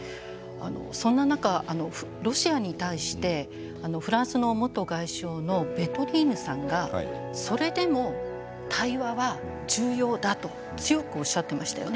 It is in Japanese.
そんな中ロシアに対してフランスの元外相のヴェドリーヌさんがそれでも対話は重要だと強くおっしゃっていましたよね。